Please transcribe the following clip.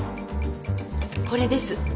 これです。